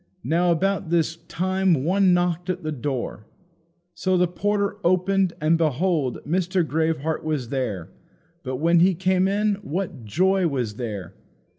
... Now, about this time one knocked at the door. So the porter opened, and, behold, Mr. Greatheart was there! But when he came in, what joy was there!